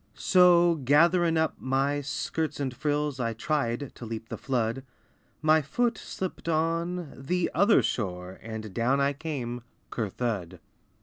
So gatherin' up my skirts and frills I tried to leap the flood; My foot slipped on the "other shore" And down I came "cur thud."